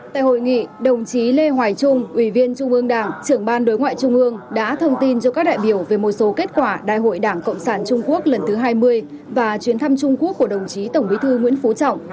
tại hội nghị đồng chí lê hoài trung ủy viên trung ương đảng trưởng ban đối ngoại trung ương đã thông tin cho các đại biểu về một số kết quả đại hội đảng cộng sản trung quốc lần thứ hai mươi và chuyến thăm trung quốc của đồng chí tổng bí thư nguyễn phú trọng